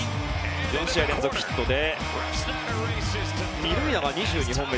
４試合連続ヒットで２２本目。